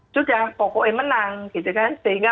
sudah pokoknya menang sehingga